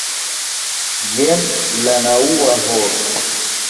Jam la naŭa horo!